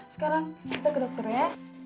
sekarang kita ke dokter ya